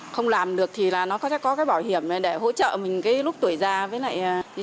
không làm được thì nó có cái bảo hiểm này để hỗ trợ mình cái lúc tuổi già với lại